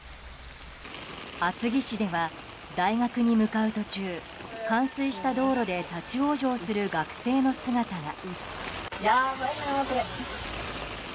厚木市では大学に向かう途中冠水した道路で立ち往生する学生の姿が。